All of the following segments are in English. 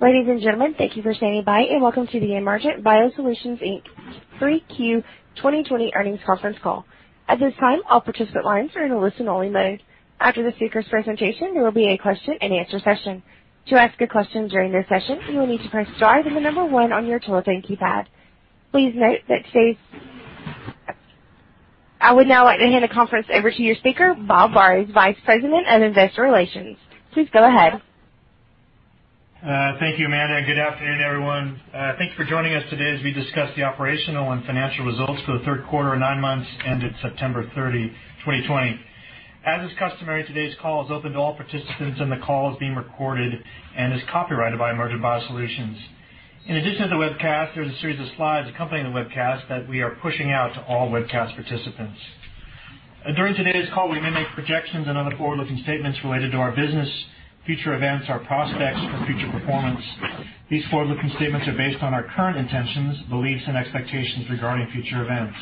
Ladies and gentlemen, thank you for standing by and welcome to the Emergent BioSolutions Inc. 3Q 2020 earnings conference call. At this time, all participant lines are in a listen-only mode. After the speakers' presentation, there will be a question-and-answer session. To ask a question during this session, you will need to press star then the number one on your telephone keypad. I would now like to hand the conference over to your speaker, Bob Burrows, Vice President of Investor Relations. Please go ahead. Thank you, Amanda. Good afternoon, everyone. Thanks for joining us today as we discuss the operational and financial results for the third quarter and nine months ended September 30, 2020. As is customary, today's call is open to all participants. The call is being recorded and is copyrighted by Emergent BioSolutions. In addition to the webcast, there's a series of slides accompanying the webcast that we are pushing out to all webcast participants. During today's call, we may make projections and other forward-looking statements related to our business, future events, our prospects for future performance. These forward-looking statements are based on our current intentions, beliefs, and expectations regarding future events.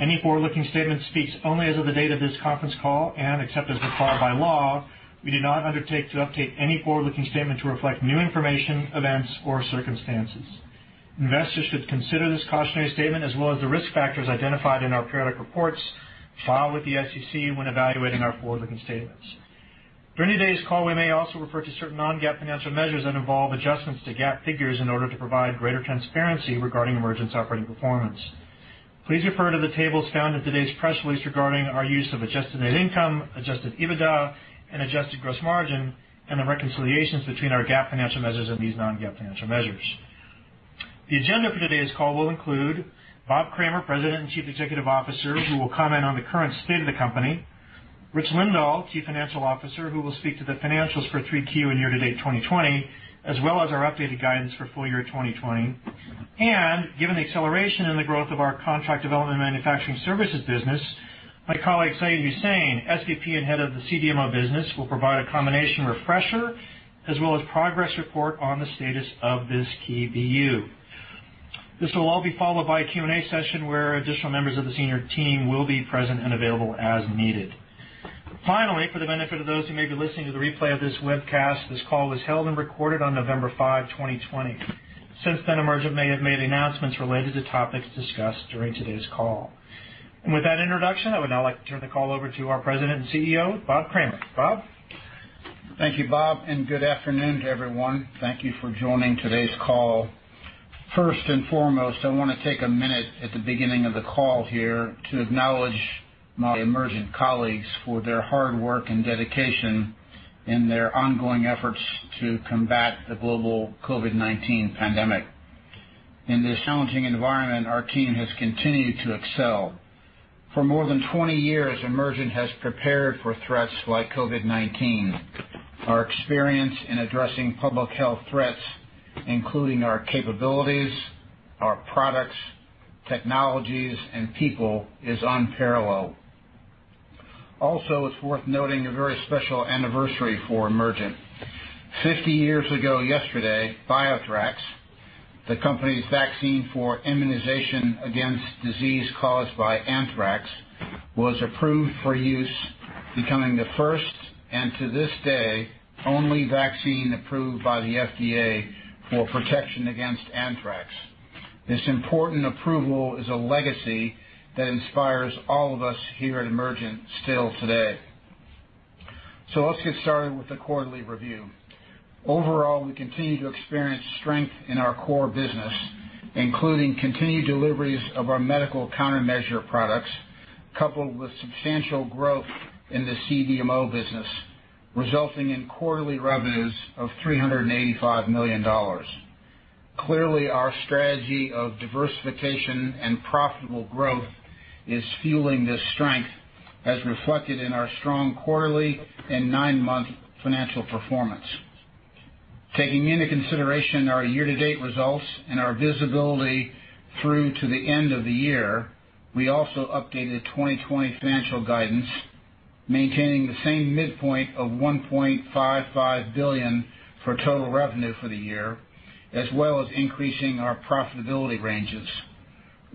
Any forward-looking statement speaks only as of the date of this conference call. Except as required by law, we do not undertake to update any forward-looking statement to reflect new information, events, or circumstances. Investors should consider this cautionary statement, as well as the risk factors identified in our periodic reports filed with the SEC when evaluating our forward-looking statements. During today's call, we may also refer to certain non-GAAP financial measures that involve adjustments to GAAP figures in order to provide greater transparency regarding Emergent's operating performance. Please refer to the tables found in today's press release regarding our use of adjusted net income, adjusted EBITDA, and adjusted gross margin, and the reconciliations between our GAAP financial measures and these non-GAAP financial measures. The agenda for today's call will include Bob Kramer, President and Chief Executive Officer, who will comment on the current state of the company. Rich Lindahl, Chief Financial Officer, who will speak to the financials for 3Q and year-to-date 2020, as well as our updated guidance for full year 2020. Given the acceleration in the growth of our contract development manufacturing services business, my colleague, Syed Husain, SVP and head of the CDMO business, will provide a combination refresher as well as progress report on the status of this key BU. This will all be followed by a Q&A session where additional members of the senior team will be present and available as needed. Finally, for the benefit of those who may be listening to the replay of this webcast, this call was held and recorded on November 5, 2020. Since then, Emergent may have made announcements related to topics discussed during today's call. With that introduction, I would now like to turn the call over to our President and CEO, Bob Kramer. Bob? Thank you, Bob. Good afternoon to everyone. Thank you for joining today's call. First and foremost, I want to take a minute at the beginning of the call here to acknowledge my Emergent colleagues for their hard work and dedication in their ongoing efforts to combat the global COVID-19 pandemic. In this challenging environment, our team has continued to excel. For more than 20 years, Emergent has prepared for threats like COVID-19. Our experience in addressing public health threats, including our capabilities, our products, technologies, and people, is unparalleled. Also, it's worth noting a very special anniversary for Emergent. Fifty years ago yesterday, BioThrax, the company's vaccine for immunization against disease caused by anthrax, was approved for use, becoming the first, and to this day, only vaccine approved by the FDA for protection against anthrax. This important approval is a legacy that inspires all of us here at Emergent still today. Let's get started with the quarterly review. Overall, we continue to experience strength in our core business, including continued deliveries of our medical countermeasure products, coupled with substantial growth in the CDMO business, resulting in quarterly revenues of $385 million. Clearly, our strategy of diversification and profitable growth is fueling this strength, as reflected in our strong quarterly and nine-month financial performance. Taking into consideration our year-to-date results and our visibility through to the end of the year, we also updated 2020 financial guidance, maintaining the same midpoint of $1.55 billion for total revenue for the year, as well as increasing our profitability ranges.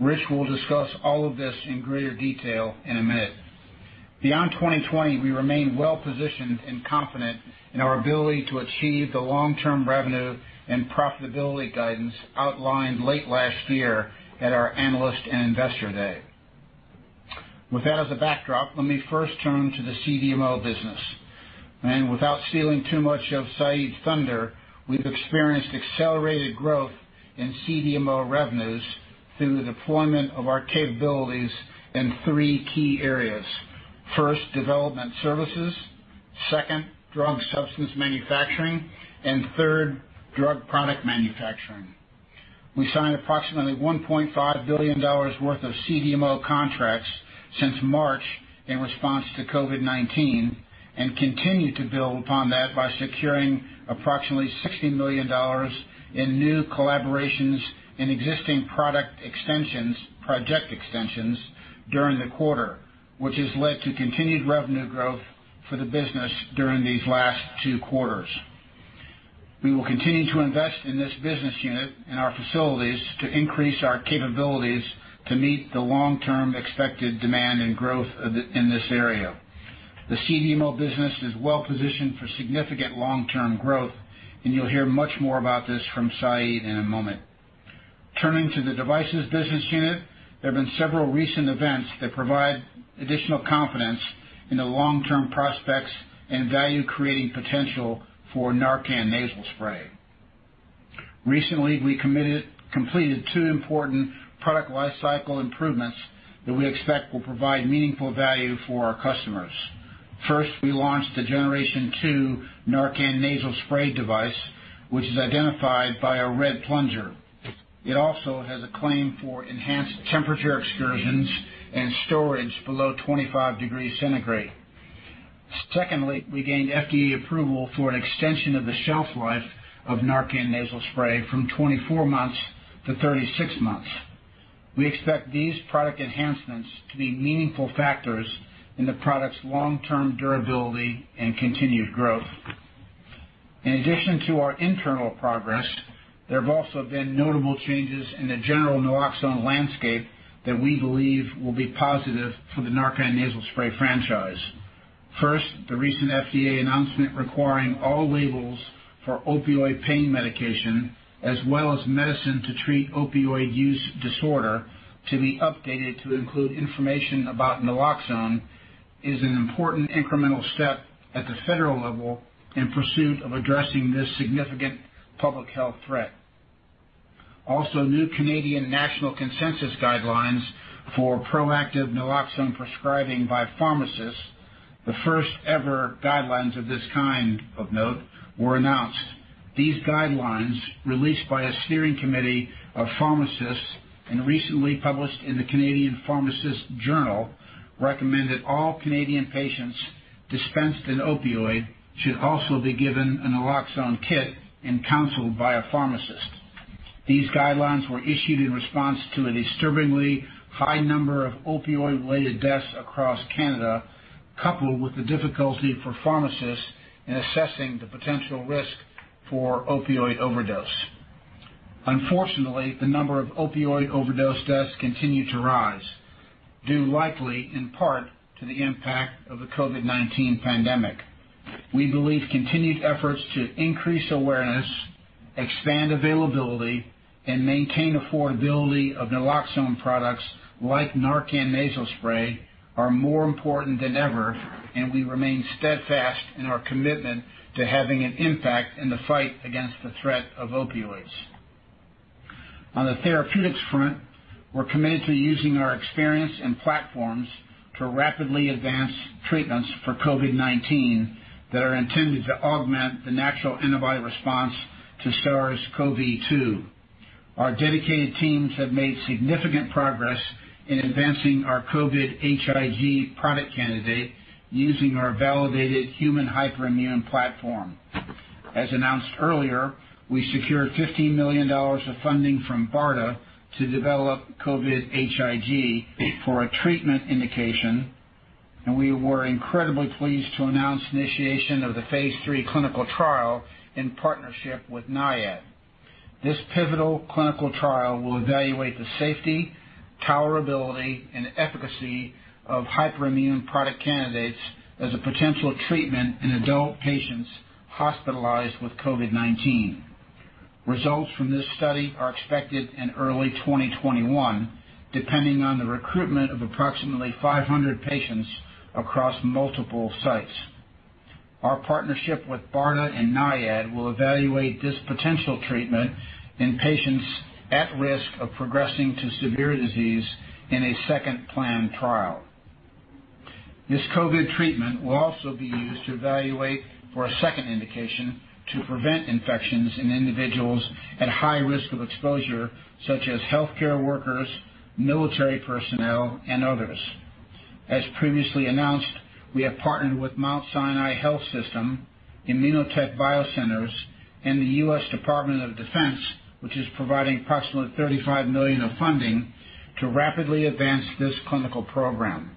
Rich will discuss all of this in greater detail in a minute. Beyond 2020, we remain well-positioned and confident in our ability to achieve the long-term revenue and profitability guidance outlined late last year at our Analyst and Investor Day. With that as a backdrop, let me first turn to the CDMO business. Without stealing too much of Syed's thunder, we've experienced accelerated growth in CDMO revenues through the deployment of our capabilities in three key areas. First, development services. Second, drug substance manufacturing. Third, drug product manufacturing. We signed approximately $1.5 billion worth of CDMO contracts since March in response to COVID-19 and continue to build upon that by securing approximately $60 million in new collaborations and existing project extensions during the quarter, which has led to continued revenue growth for the business during these last two quarters. We will continue to invest in this business unit and our facilities to increase our capabilities to meet the long-term expected demand and growth in this area. The CDMO business is well-positioned for significant long-term growth, and you'll hear much more about this from Syed in a moment. Turning to the devices business unit, there have been several recent events that provide additional confidence in the long-term prospects and value-creating potential for NARCAN Nasal Spray. Recently, we completed two important product lifecycle improvements that we expect will provide meaningful value for our customers. First, we launched the generation 2 NARCAN Nasal Spray device, which is identified by a red plunger. It also has a claim for enhanced temperature excursions and storage below 25 degrees Celsius. Secondly, we gained FDA approval for an extension of the shelf life of NARCAN Nasal Spray from 24-36 months. We expect these product enhancements to be meaningful factors in the product's long-term durability and continued growth. In addition to our internal progress, there have also been notable changes in the general naloxone landscape that we believe will be positive for the NARCAN Nasal Spray franchise. First, the recent FDA announcement requiring all labels for opioid pain medication, as well as medicine to treat opioid use disorder, to be updated to include information about naloxone, is an important incremental step at the federal level in pursuit of addressing this significant public health threat. New Canadian national consensus guidelines for proactive naloxone prescribing by pharmacists, the first ever guidelines of this kind of note, were announced. These guidelines, released by a steering committee of pharmacists and recently published in the "Canadian Pharmacists Journal," recommend that all Canadian patients dispensed an opioid should also be given a naloxone kit and counseled by a pharmacist. These guidelines were issued in response to a disturbingly high number of opioid-related deaths across Canada, coupled with the difficulty for pharmacists in assessing the potential risk for opioid overdose. Unfortunately, the number of opioid overdose deaths continue to rise, due likely in part to the impact of the COVID-19 pandemic. We believe continued efforts to increase awareness, expand availability, and maintain affordability of naloxone products like NARCAN Nasal Spray are more important than ever. We remain steadfast in our commitment to having an impact in the fight against the threat of opioids. On the therapeutics front, we're committed to using our experience and platforms to rapidly advance treatments for COVID-19 that are intended to augment the natural antibody response to SARS-CoV-2. Our dedicated teams have made significant progress in advancing our COVID-HIG product candidate using our validated human hyperimmune platform. As announced earlier, we secured $15 million of funding from BARDA to develop COVID-HIG for a treatment indication. We were incredibly pleased to announce initiation of the phase III clinical trial in partnership with NIAID. This pivotal clinical trial will evaluate the safety, tolerability, and efficacy of hyperimmune product candidates as a potential treatment in adult patients hospitalized with COVID-19. Results from this study are expected in early 2021, depending on the recruitment of approximately 500 patients across multiple sites. Our partnership with BARDA and NIAID will evaluate this potential treatment in patients at risk of progressing to severe disease in a second planned trial. This COVID treatment will also be used to evaluate for a second indication to prevent infections in individuals at high risk of exposure, such as healthcare workers, military personnel, and others. As previously announced, we have partnered with Mount Sinai Health System, ImmunoTek Bio Centers, and the U.S. Department of Defense, which is providing approximately $35 million of funding to rapidly advance this clinical program.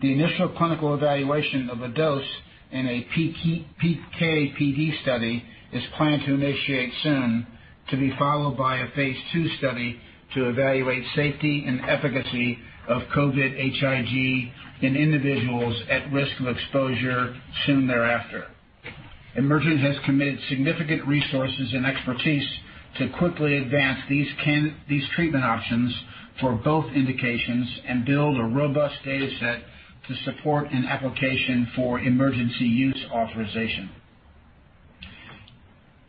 The initial clinical evaluation of a dose in a PK/PD study is planned to initiate soon, to be followed by a phase II study to evaluate safety and efficacy of COVID-HIG in individuals at risk of exposure soon thereafter. Emergent has committed significant resources and expertise to quickly advance these treatment options for both indications and build a robust data set to support an application for emergency use authorization.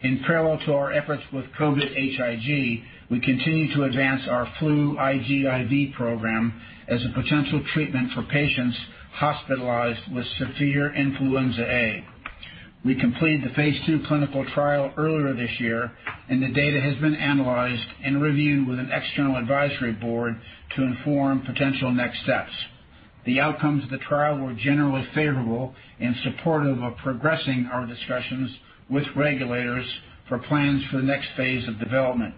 In parallel to our efforts with COVID-HIG, we continue to advance our FLU-IGIV program as a potential treatment for patients hospitalized with severe influenza A. We completed the phase II clinical trial earlier this year. The data has been analyzed and reviewed with an external advisory board to inform potential next steps. The outcomes of the trial were generally favorable in support of progressing our discussions with regulators for plans for the next phase of development.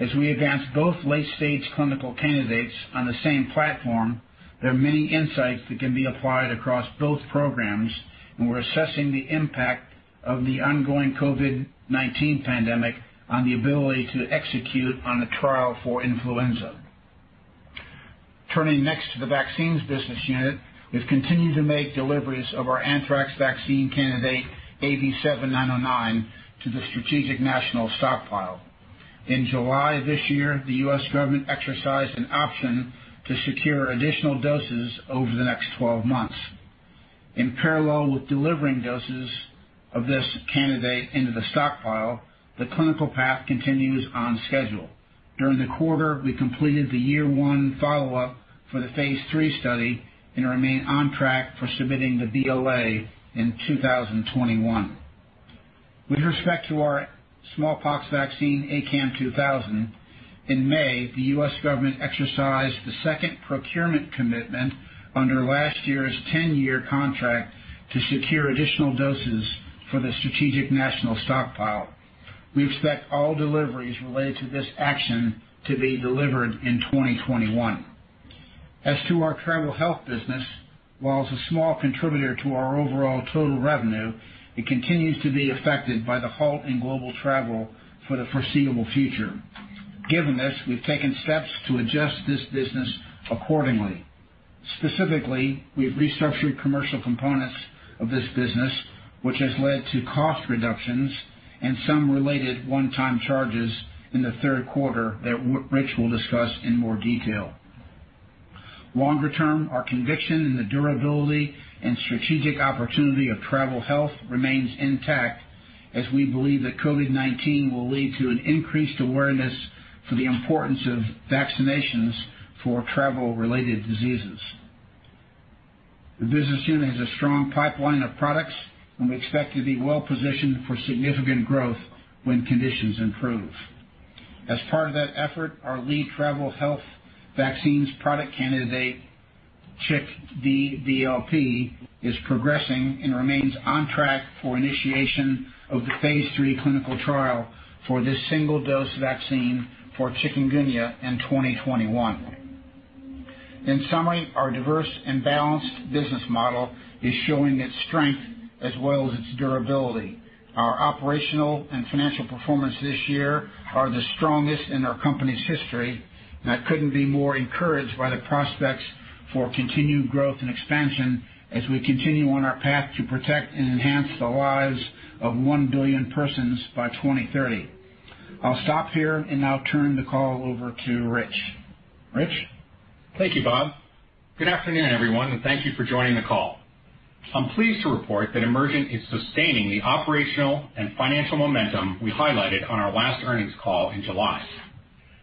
As we advance both late-stage clinical candidates on the same platform, there are many insights that can be applied across both programs, and we're assessing the impact of the ongoing COVID-19 pandemic on the ability to execute on a trial for influenza. Turning next to the vaccines business unit, we've continued to make deliveries of our anthrax vaccine candidate, AV7909, to the Strategic National Stockpile. In July of this year, the U.S. government exercised an option to secure additional doses over the next 12 months. In parallel with delivering doses of this candidate into the stockpile, the clinical path continues on schedule. During the quarter, we completed the year one follow-up for the phase III study and remain on track for submitting the BLA in 2021. With respect to our smallpox vaccine, ACAM2000, in May, the U.S. government exercised the second procurement commitment under last year's 10-year contract to secure additional doses for the Strategic National Stockpile. We expect all deliveries related to this action to be delivered in 2021. As to our travel health business, while it's a small contributor to our overall total revenue, it continues to be affected by the halt in global travel for the foreseeable future. Given this, we've taken steps to adjust this business accordingly. Specifically, we've restructured commercial components of this business, which has led to cost reductions and some related one-time charges in the third quarter that Rich will discuss in more detail. Longer term, our conviction in the durability and strategic opportunity of travel health remains intact as we believe that COVID-19 will lead to an increased awareness for the importance of vaccinations for travel-related diseases. The business unit has a strong pipeline of products, and we expect to be well-positioned for significant growth when conditions improve. As part of that effort, our lead travel health vaccines product candidate, CHIKV VLP, is progressing and remains on track for initiation of the phase III clinical trial for this single-dose vaccine for chikungunya in 2021. In summary, our diverse and balanced business model is showing its strength as well as its durability. Our operational and financial performance this year are the strongest in our company's history, and I couldn't be more encouraged by the prospects for continued growth and expansion as we continue on our path to protect and enhance the lives of 1 billion persons by 2030. I'll stop here and now turn the call over to Rich. Rich? Thank you, Bob. Good afternoon, everyone, thank you for joining the call. I'm pleased to report that Emergent is sustaining the operational and financial momentum we highlighted on our last earnings call in July.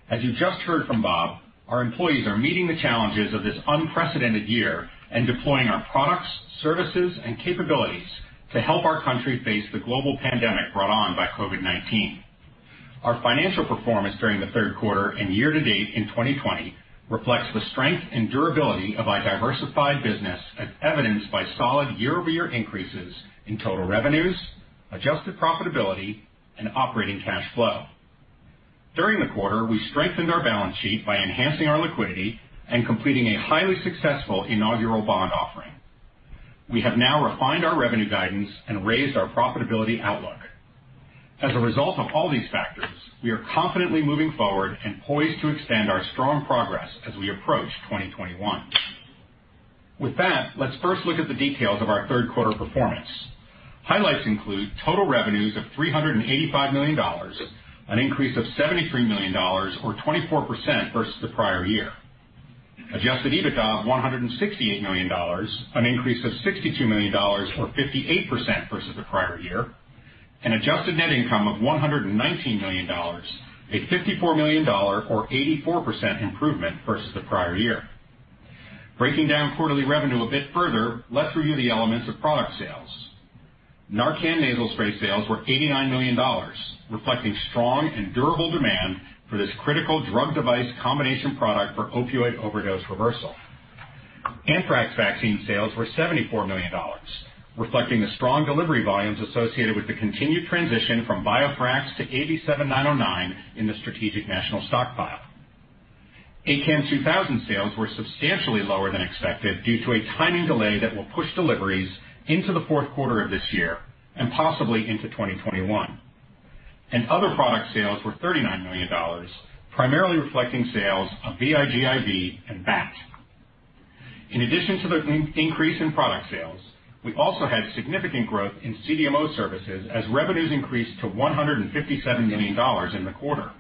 As you just heard from Bob, our employees are meeting the challenges of this unprecedented year and deploying our products, services, and capabilities to help our country face the global pandemic brought on by COVID-19. Our financial performance during the third quarter and year-to-date in 2020 reflects the strength and durability of our diversified business as evidenced by solid year-over-year increases in total revenues, adjusted profitability, and operating cash flow. During the quarter, we strengthened our balance sheet by enhancing our liquidity and completing a highly successful inaugural bond offering. We have now refined our revenue guidance and raised our profitability outlook. As a result of all these factors, we are confidently moving forward and poised to extend our strong progress as we approach 2021. With that, let's first look at the details of our third quarter performance. Highlights include total revenues of $385 million, an increase of $73 million or 24% versus the prior year. Adjusted EBITDA of $168 million, an increase of $62 million or 58% versus the prior year, and adjusted net income of $119 million, a $54 million or 84% improvement versus the prior year. Breaking down quarterly revenue a bit further, let's review the elements of product sales. NARCAN Nasal Spray sales were $89 million, reflecting strong and durable demand for this critical drug device combination product for opioid overdose reversal. Anthrax vaccine sales were $74 million, reflecting the strong delivery volumes associated with the continued transition from BioThrax to AV7909 in the Strategic National Stockpile. ACAM2000 sales were substantially lower than expected due to a timing delay that will push deliveries into the fourth quarter of this year and possibly into 2021. Other product sales were $39 million, primarily reflecting sales of VIGIV and BAT. In addition to the increase in product sales, we also had significant growth in CDMO services as revenues increased to $157 million in the quarter.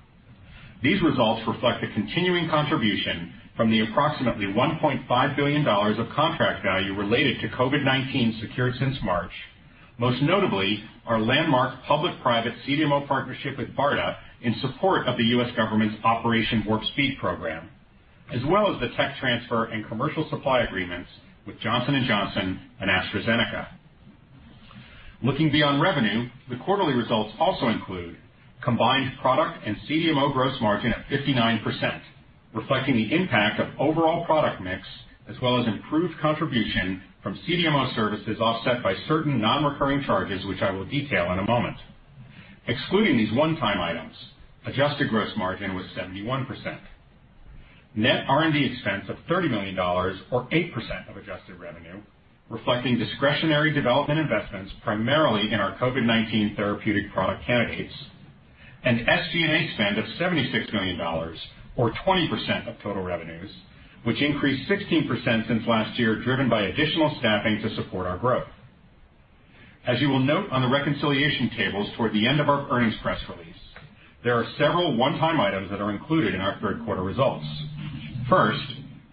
These results reflect the continuing contribution from the approximately $1.5 billion of contract value related to COVID-19 secured since March, most notably our landmark public-private CDMO partnership with BARDA in support of the U.S. government's Operation Warp Speed program, as well as the tech transfer and commercial supply agreements with Johnson & Johnson and AstraZeneca. Looking beyond revenue, the quarterly results also include combined product and CDMO gross margin of 59%, reflecting the impact of overall product mix, as well as improved contribution from CDMO services offset by certain non-recurring charges, which I will detail in a moment. Excluding these one-time items, adjusted gross margin was 71%. Net R&D expense of $30 million or 8% of adjusted revenue, reflecting discretionary development investments primarily in our COVID-19 therapeutic product candidates. SG&A spend of $76 million, or 20% of total revenues, which increased 16% since last year, driven by additional staffing to support our growth. As you will note on the reconciliation tables toward the end of our earnings press release, there are several one-time items that are included in our third quarter results. First,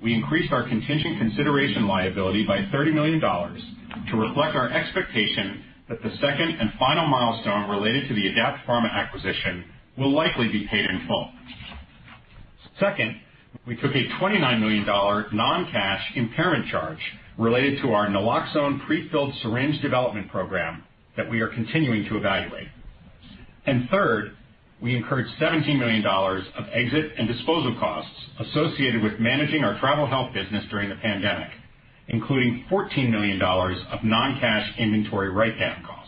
we increased our contingent consideration liability by $30 million to reflect our expectation that the second and final milestone related to the Adapt Pharma acquisition will likely be paid in full. Second, we took a $29 million non-cash impairment charge related to our naloxone prefilled syringe development program that we are continuing to evaluate. Third, we incurred $17 million of exit and disposal costs associated with managing our travel health business during the pandemic, including $14 million of non-cash inventory write-down costs.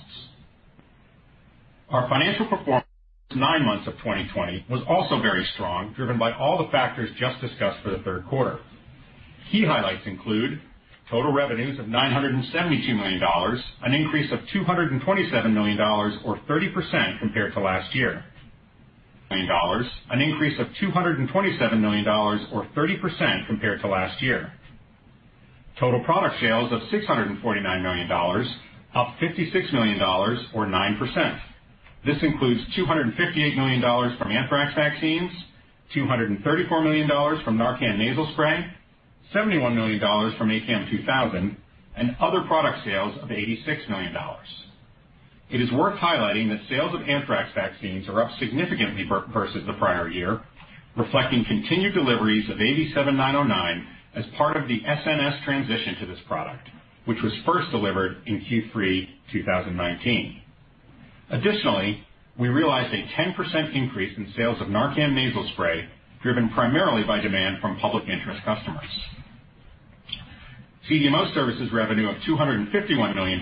Our financial performance nine months of 2020 was also very strong, driven by all the factors just discussed for the third quarter. Key highlights include total revenues of $972 million, an increase of $227 million, or 30%, compared to last year. Total product sales of $649 million, up $56 million or 9%. This includes $258 million from anthrax vaccines, $234 million from NARCAN Nasal Spray, $71 million from ACAM2000, and other product sales of $86 million. It is worth highlighting that sales of anthrax vaccines are up significantly versus the prior year, reflecting continued deliveries of AV7909 as part of the SNS transition to this product, which was first delivered in Q3 2019. Additionally, we realized a 10% increase in sales of NARCAN Nasal Spray, driven primarily by demand from public interest customers. CDMO services revenue of $251 million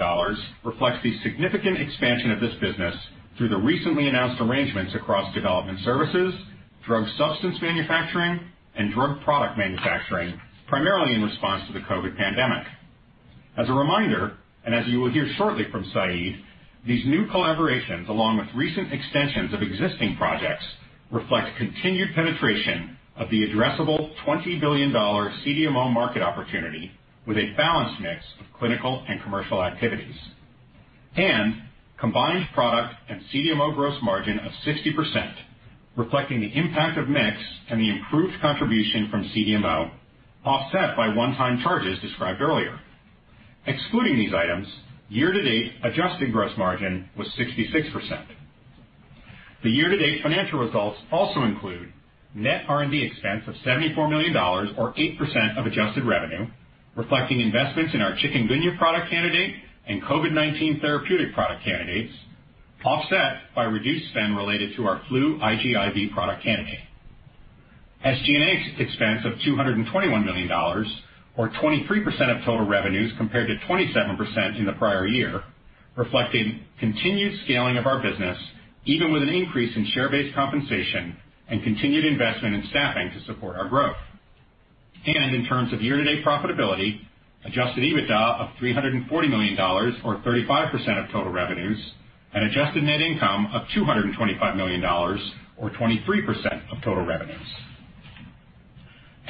reflects the significant expansion of this business through the recently announced arrangements across development services, drug substance manufacturing, and drug product manufacturing, primarily in response to the COVID-19 pandemic. As a reminder, as you will hear shortly from Syed, these new collaborations, along with recent extensions of existing projects, reflect continued penetration of the addressable $20 billion CDMO market opportunity with a balanced mix of clinical and commercial activities. Combined product and CDMO gross margin of 60%, reflecting the impact of mix and the improved contribution from CDMO, offset by one-time charges described earlier. Excluding these items, year-to-date adjusted gross margin was 66%. The year-to-date financial results also include net R&D expense of $74 million, or 8% of adjusted revenue, reflecting investments in our chikungunya product candidate and COVID-19 therapeutic product candidates, offset by reduced spend related to our FLU-IGIV product candidate. SG&A expense of $221 million, or 23% of total revenues, compared to 27% in the prior year, reflecting continued scaling of our business, even with an increase in share-based compensation and continued investment in staffing to support our growth. In terms of year-to-date profitability, adjusted EBITDA of $340 million, or 35% of total revenues, and adjusted net income of $225 million, or 23% of total revenues.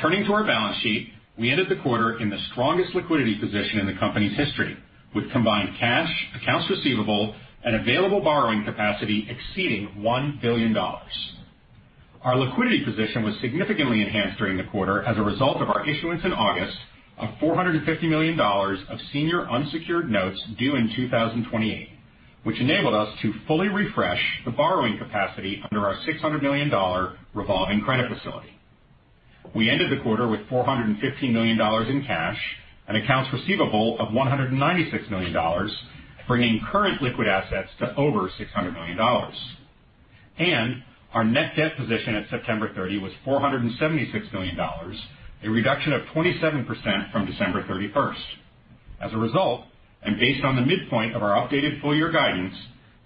Turning to our balance sheet, we ended the quarter in the strongest liquidity position in the company's history, with combined cash, accounts receivable, and available borrowing capacity exceeding $1 billion. Our liquidity position was significantly enhanced during the quarter as a result of our issuance in August of $450 million of senior unsecured notes due in 2028, which enabled us to fully refresh the borrowing capacity under our $600 million revolving credit facility. We ended the quarter with $415 million in cash and accounts receivable of $196 million, bringing current liquid assets to over $600 million. Our net debt position at September 30 was $476 million, a reduction of 27% from December 31st. As a result, and based on the midpoint of our updated full year guidance,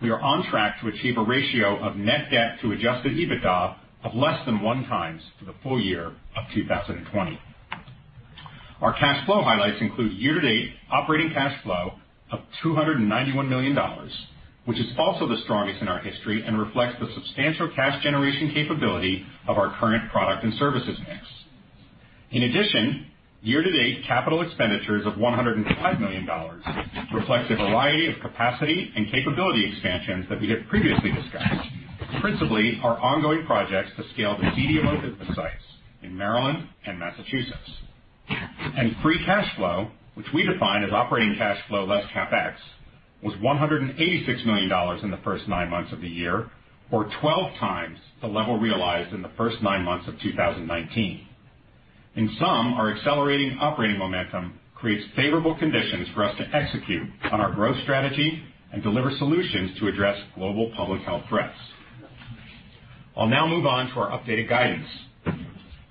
we are on track to achieve a ratio of net debt to adjusted EBITDA of less than one times for the full year of 2020. Our cash flow highlights include year-to-date operating cash flow of $291 million, which is also the strongest in our history and reflects the substantial cash generation capability of our current product and services mix. In addition, year-to-date capital expenditures of $105 million reflects a variety of capacity and capability expansions that we have previously discussed, principally our ongoing projects to scale the CDMO business sites in Maryland and Massachusetts. Free cash flow, which we define as operating cash flow less CapEx, was $186 million in the first nine months of the year, or 12x the level realized in the first nine months of 2019. In sum, our accelerating operating momentum creates favorable conditions for us to execute on our growth strategy and deliver solutions to address global public health threats. I'll now move on to our updated guidance.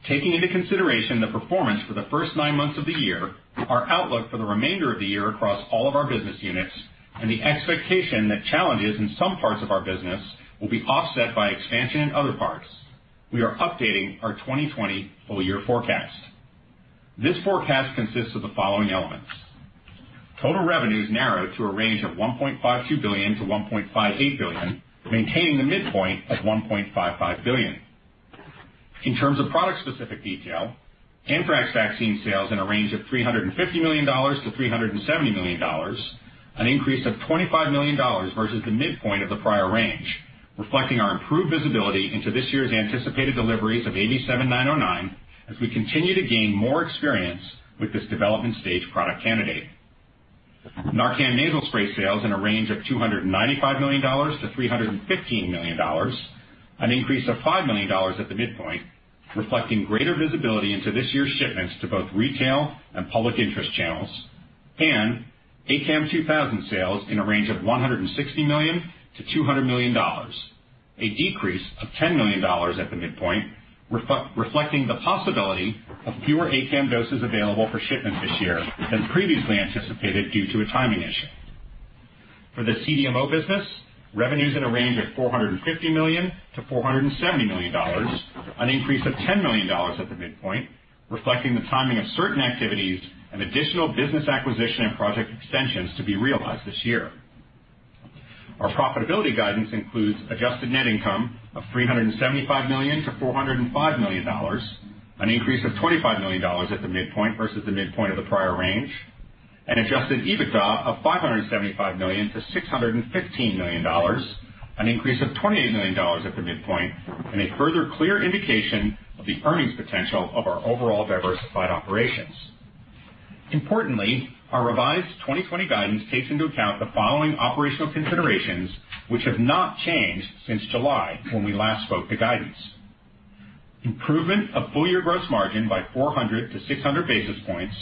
Taking into consideration the performance for the first nine months of the year, our outlook for the remainder of the year across all of our business units, and the expectation that challenges in some parts of our business will be offset by expansion in other parts, we are updating our 2020 full year forecast. This forecast consists of the following elements. Total revenues narrowed to a range of $1.52 billion-$1.58 billion, maintaining the midpoint at $1.55 billion. In terms of product-specific detail, anthrax vaccine sales in a range of $350 million-$370 million, an increase of $25 million versus the midpoint of the prior range, reflecting our improved visibility into this year's anticipated deliveries of AV7909 as we continue to gain more experience with this development stage product candidate. NARCAN Nasal Spray sales in a range of $295 million-$315 million, an increase of $5 million at the midpoint, reflecting greater visibility into this year's shipments to both retail and public interest channels, and ACAM2000 sales in a range of $160 million-$200 million, a decrease of $10 million at the midpoint reflecting the possibility of fewer ACAM doses available for shipment this year than previously anticipated due to a timing issue. For the CDMO business, revenues in a range of $450 million-$470 million, an increase of $10 million at the midpoint, reflecting the timing of certain activities and additional business acquisition and project extensions to be realized this year. Our profitability guidance includes adjusted net income of $375 million-$405 million, an increase of $25 million at the midpoint versus the midpoint of the prior range, and adjusted EBITDA of $575 million-$615 million, an increase of $28 million at the midpoint and a further clear indication of the earnings potential of our overall diversified operations. Importantly, our revised 2020 guidance takes into account the following operational considerations, which have not changed since July, when we last spoke to guidance. Improvement of full year gross margin by 400-600 basis points,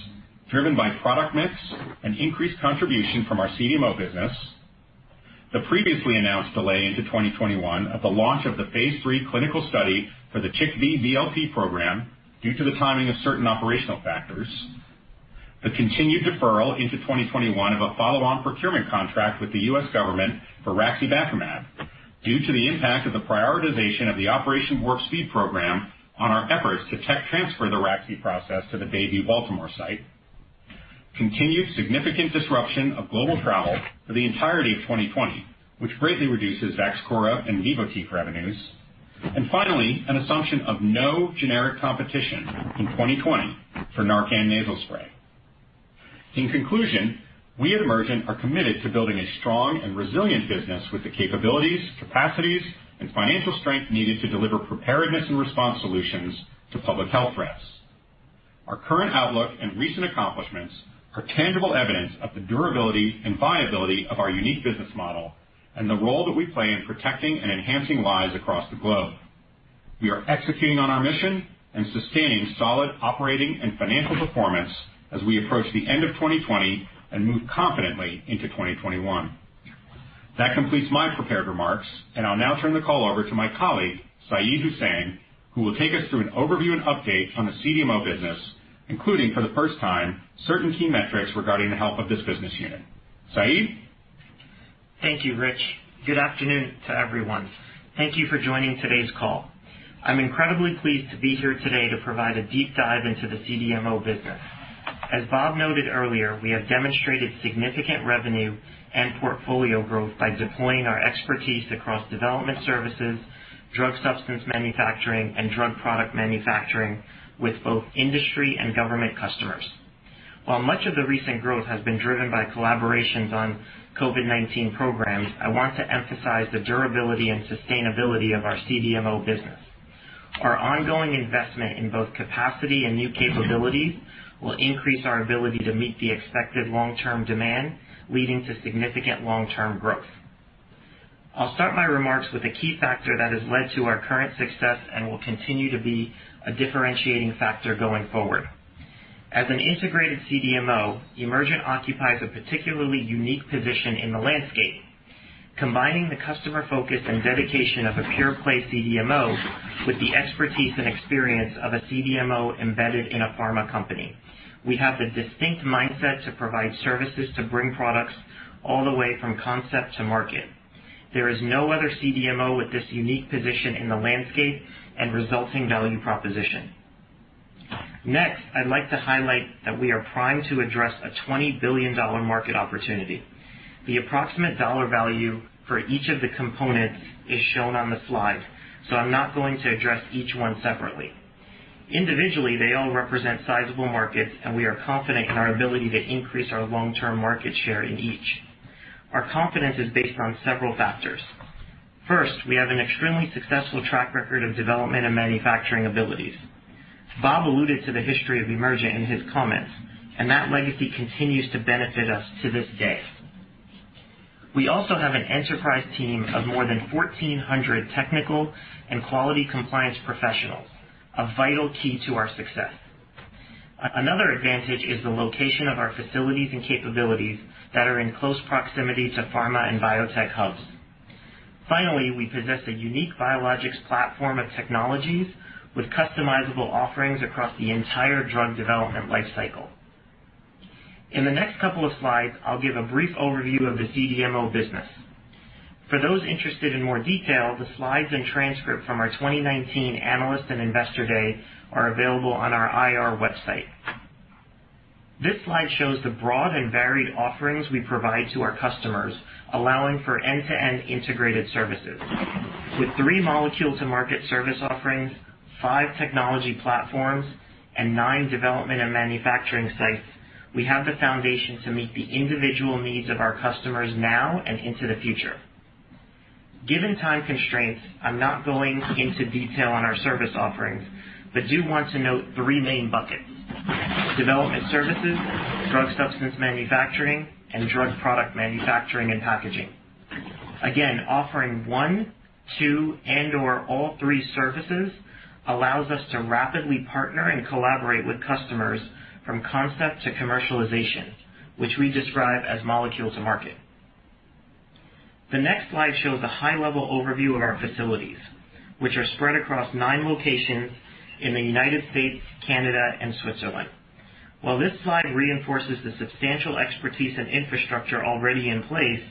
driven by product mix and increased contribution from our CDMO business. The previously announced delay into 2021 of the launch of the phase III clinical study for the TBEV VLP program, due to the timing of certain operational factors. The continued deferral into 2021 of a follow-on procurement contract with the U.S. government for raxibacumab, due to the impact of the prioritization of the Operation Warp Speed program on our efforts to tech transfer the raxi process to the Bayview Baltimore site. Continued significant disruption of global travel for the entirety of 2020, which greatly reduces Vaxchora and Vivotif revenues. Finally, an assumption of no generic competition in 2020 for NARCAN Nasal Spray. In conclusion, we at Emergent are committed to building a strong and resilient business with the capabilities, capacities, and financial strength needed to deliver preparedness and response solutions to public health threats. Our current outlook and recent accomplishments are tangible evidence of the durability and viability of our unique business model and the role that we play in protecting and enhancing lives across the globe. We are executing on our mission and sustaining solid operating and financial performance as we approach the end of 2020 and move confidently into 2021. That completes my prepared remarks, and I'll now turn the call over to my colleague, Syed Husain, who will take us through an overview and update on the CDMO business, including, for the first time, certain key metrics regarding the health of this business unit. Syed? Thank you, Rich. Good afternoon to everyone. Thank you for joining today's call. I'm incredibly pleased to be here today to provide a deep dive into the CDMO business. As Bob noted earlier, we have demonstrated significant revenue and portfolio growth by deploying our expertise across development services, drug substance manufacturing, and drug product manufacturing with both industry and government customers. While much of the recent growth has been driven by collaborations on COVID-19 programs, I want to emphasize the durability and sustainability of our CDMO business. Our ongoing investment in both capacity and new capabilities will increase our ability to meet the expected long-term demand, leading to significant long-term growth. I'll start my remarks with a key factor that has led to our current success and will continue to be a differentiating factor going forward. As an integrated CDMO, Emergent occupies a particularly unique position in the landscape, combining the customer focus and dedication of a pure play CDMO with the expertise and experience of a CDMO embedded in a pharma company. We have the distinct mindset to provide services to bring products all the way from concept to market. There is no other CDMO with this unique position in the landscape and resulting value proposition. Next, I'd like to highlight that we are primed to address a $20 billion market opportunity. The approximate dollar value for each of the components is shown on the slide, so I'm not going to address each one separately. Individually, they all represent sizable markets, and we are confident in our ability to increase our long-term market share in each. Our confidence is based on several factors. First, we have an extremely successful track record of development and manufacturing abilities. Bob alluded to the history of Emergent in his comments. That legacy continues to benefit us to this day. We also have an enterprise team of more than 1,400 technical and quality compliance professionals, a vital key to our success. Another advantage is the location of our facilities and capabilities that are in close proximity to pharma and biotech hubs. Finally, we possess a unique biologics platform of technologies with customizable offerings across the entire drug development life cycle. In the next couple of slides, I'll give a brief overview of the CDMO business. For those interested in more detail, the slides and transcript from our 2019 Analyst and Investor Day are available on our IR website. This slide shows the broad and varied offerings we provide to our customers, allowing for end-to-end integrated services. With three molecule-to-market service offerings, five technology platforms, and nine development and manufacturing sites, we have the foundation to meet the individual needs of our customers now and into the future. Given time constraints, I'm not going into detail on our service offerings, but do want to note three main buckets. Development services, drug substance manufacturing, and drug product manufacturing and packaging. Again, offering one, two, and/or all three services allows us to rapidly partner and collaborate with customers from concept to commercialization, which we describe as molecule to market. The next slide shows a high-level overview of our facilities, which are spread across nine locations in the U.S., Canada, and Switzerland. While this slide reinforces the substantial expertise and infrastructure already in place,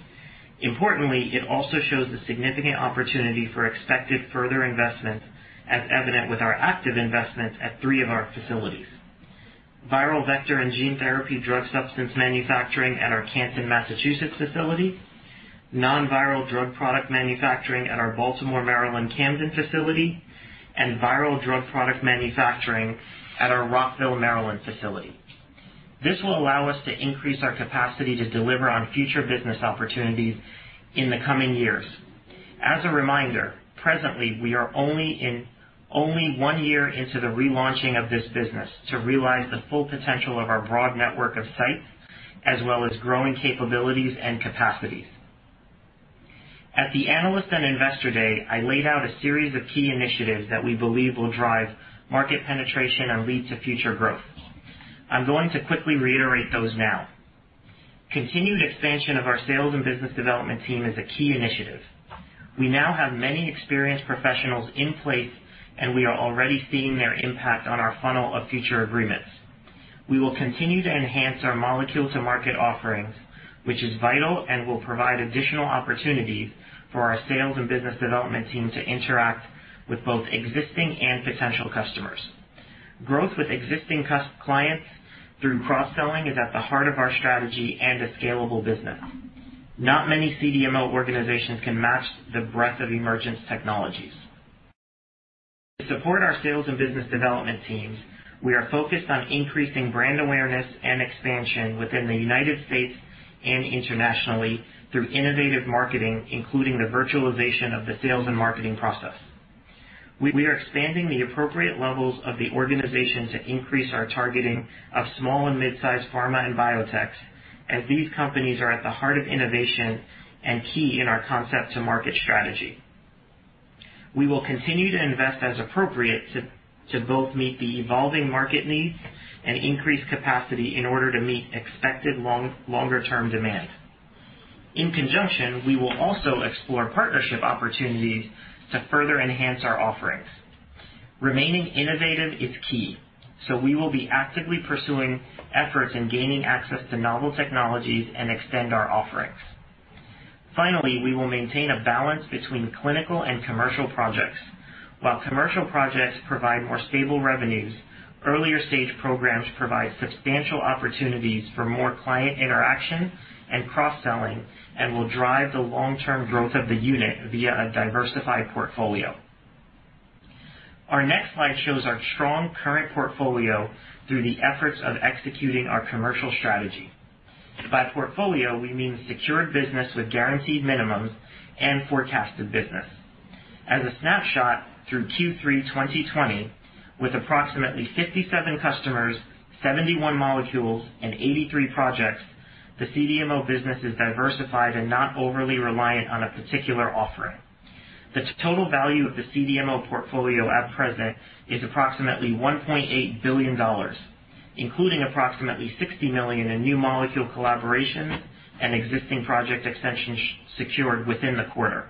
importantly, it also shows the significant opportunity for expected further investment as evident with our active investments at three of our facilities. Viral vector and gene therapy drug substance manufacturing at our Canton, Massachusetts facility, non-viral drug product manufacturing at our Baltimore, Maryland, Camden facility, and viral drug product manufacturing at our Rockville, Maryland facility. This will allow us to increase our capacity to deliver on future business opportunities in the coming years. As a reminder, presently, we are only one year into the relaunching of this business to realize the full potential of our broad network of sites, as well as growing capabilities and capacities. At the Analyst and Investor Day, I laid out a series of key initiatives that we believe will drive market penetration and lead to future growth. I'm going to quickly reiterate those now. Continued expansion of our sales and business development team is a key initiative. We now have many experienced professionals in place, and we are already seeing their impact on our funnel of future agreements. We will continue to enhance our molecule to market offerings, which is vital and will provide additional opportunities for our sales and business development team to interact with both existing and potential customers. Growth with existing clients through cross-selling is at the heart of our strategy and a scalable business. Not many CDMO organizations can match the breadth of Emergent's technologies. To support our sales and business development teams, we are focused on increasing brand awareness and expansion within the U.S. and internationally through innovative marketing, including the virtualization of the sales and marketing process. We are expanding the appropriate levels of the organization to increase our targeting of small and mid-size pharma and biotechs, as these companies are at the heart of innovation and key in our concept to market strategy. We will continue to invest as appropriate to both meet the evolving market needs and increase capacity in order to meet expected longer-term demand. In conjunction, we will also explore partnership opportunities to further enhance our offerings. Remaining innovative is key, so we will be actively pursuing efforts in gaining access to novel technologies and extend our offerings. Finally, we will maintain a balance between clinical and commercial projects. While commercial projects provide more stable revenues, earlier stage programs provide substantial opportunities for more client interaction and cross-selling and will drive the long-term growth of the unit via a diversified portfolio. Our next slide shows our strong current portfolio through the efforts of executing our commercial strategy. By portfolio, we mean secured business with guaranteed minimums and forecasted business. As a snapshot through Q3 2020, with approximately 57 customers, 71 molecules, and 83 projects, the CDMO business is diversified and not overly reliant on a particular offering. The total value of the CDMO portfolio at present is approximately $1.8 billion, including approximately $60 million in new molecule collaborations and existing project extensions secured within the quarter.